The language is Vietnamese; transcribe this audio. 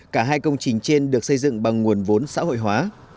cả hai công trình trên được xây dựng bằng nguồn vốn xã hội hóa